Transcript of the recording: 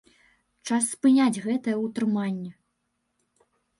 Час спыняць гэтае ўтрыманне!